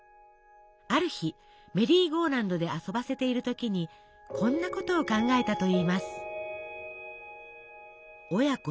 ある日メリーゴーランドで遊ばせている時にこんなことを考えたといいます。